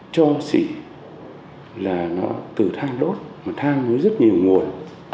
cho xỉ là nó từ thang đốt thang với rất nhiều nguồn